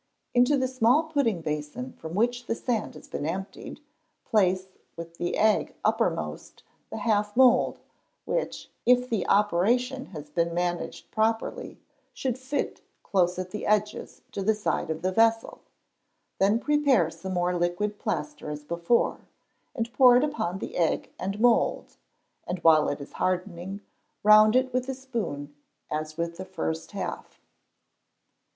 Into the small pudding basin from which the sand has been emptied, place with the egg upper most the half mould, which, if the operation has been managed properly, should fit close at the edges to the side of the vessel; then prepare some more liquid plaster as before, and pour it upon the egg and mould, and while it is hardening, round it with the spoon as with the first half.